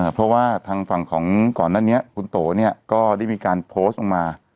เพราะว่าทางฝั่งของก่อนหน้านี้คุณโตเนี่ยก็ได้มีการโพสต์ออกมา